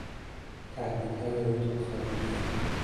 تهدیدهای او توخالی است.